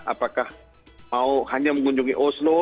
apakah mau hanya mengunjungi oslo